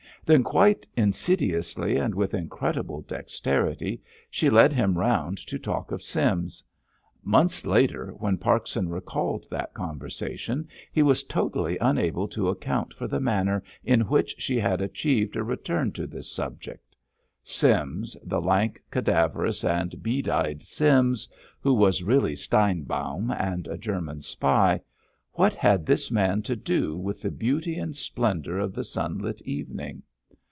Then quite insidiously and with incredible dexterity she led him round to talk of Sims. Months later, when Parkson recalled that conversation, he was totally unable to account for the manner in which she had achieved a return to this subject. Sims, the lank, cadaverous and bead eyed Sims—who was really Steinbaum and a German spy—what had this man to do with the beauty and splendour of the sunlit evening?